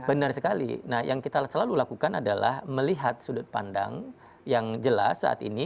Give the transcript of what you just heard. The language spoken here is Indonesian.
benar sekali nah yang kita selalu lakukan adalah melihat sudut pandang yang jelas saat ini